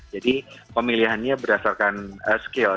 jadi pemilihannya berdasarkan skill